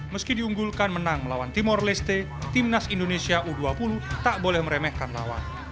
meski diunggulkan menang melawan timor leste timnas indonesia u dua puluh tak boleh meremehkan lawan